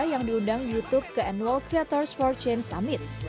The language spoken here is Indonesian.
yang diundang youtube ke annual creators for change summit